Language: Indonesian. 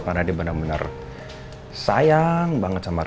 karena dia bener bener sayang banget sama rena